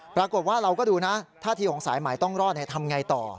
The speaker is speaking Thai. ปรากฏว่าเราก็ดูนะท่าทีของสายหมายต้องรอดทำไงต่อ